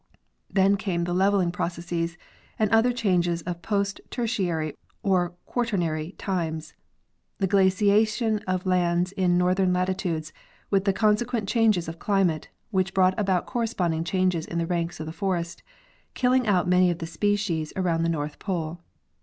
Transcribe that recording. Then came the leveling processes and other changes of post ak ertiary or Quaternary times; the glaciation of lands in north ern latitudes, with the consequent changes of climate, which brought about corresponding changes in the ranks of the forest, killing out many of the species around the north pole.